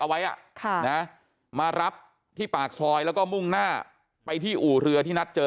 เอาไว้มารับที่ปากซอยแล้วก็มุ่งหน้าไปที่อู่เรือที่นัดเจอ